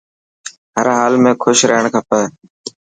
هر حال ۾ کوش رهڻ کپي.